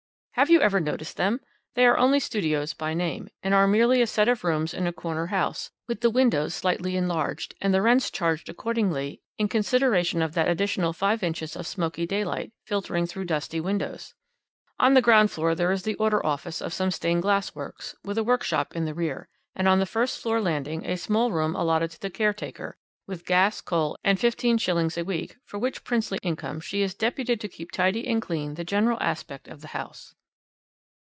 "Have you ever noticed them? They are only studios by name, and are merely a set of rooms in a corner house, with the windows slightly enlarged, and the rents charged accordingly in consideration of that additional five inches of smoky daylight, filtering through dusty windows. On the ground floor there is the order office of some stained glass works, with a workshop in the rear, and on the first floor landing a small room allotted to the caretaker, with gas, coal, and fifteen shillings a week, for which princely income she is deputed to keep tidy and clean the general aspect of the house.